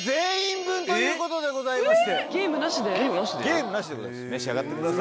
ゲームなしでございます召し上がってください。